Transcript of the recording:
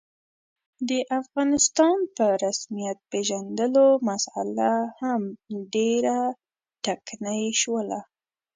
د افغانستان په رسمیت پېژندلو مسعله هم ډېره ټکنۍ شوله.